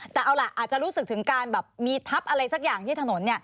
แต่เอาล่ะอาจจะรู้สึกถึงการแบบมีทับอะไรสักอย่างที่ถนน